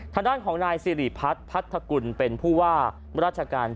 ทางด้านของนายซิริพัสพัฒนธกุลเป็นผู้ว่าราชการจังหวัดพังงา